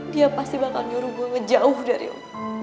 dia pasti bakal nyuruh gue ngejauh dari lo